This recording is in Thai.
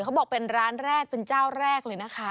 เขาบอกเป็นร้านแรกเป็นเจ้าแรกเลยนะคะ